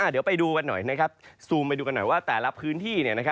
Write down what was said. เดี๋ยวไปดูกันหน่อยนะครับซูมไปดูกันหน่อยว่าแต่ละพื้นที่